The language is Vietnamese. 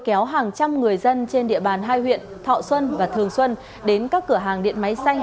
kéo hàng trăm người dân trên địa bàn hai huyện thọ xuân và thường xuân đến các cửa hàng điện máy xanh